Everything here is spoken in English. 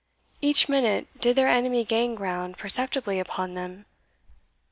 Each minute did their enemy gain ground perceptibly upon them!